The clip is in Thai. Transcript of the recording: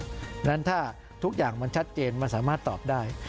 เพราะฉะนั้นถ้าทุกอย่างมันชัดเจนมันสามารถตอบได้